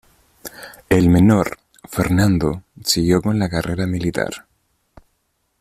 El menor, Fernando, siguió la carrera militar.